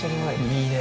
いいね。